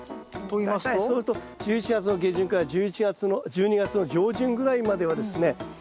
そうすると１１月の下旬から１２月の上旬ぐらいまではですね